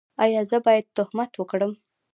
ایا زه باید تهمت وکړم؟